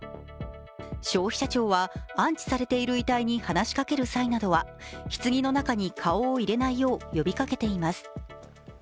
消費者庁は安置されている遺体に話しかける際などはひつぎの中に顔を入れないよう呼びかけています。